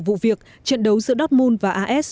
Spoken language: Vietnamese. vụ việc trận đấu giữa dortmund và as